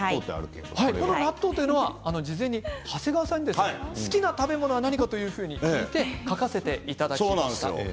納豆というのは事前に長谷川さんが好きな食べ物は何かというふうに聞いて書かせていただきました。